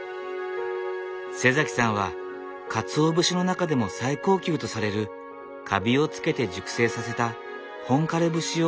さんはかつお節の中でも最高級とされるかびをつけて熟成させた本枯節を主に作っている。